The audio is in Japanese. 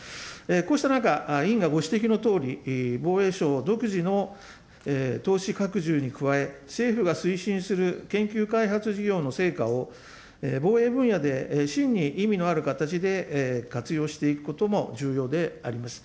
こうした中、委員がご指摘のとおり、防衛省独自の投資拡充に加え、政府が推進する研究開発事業の成果を防衛分野で真に意味のある形で活用していくことも重要であります。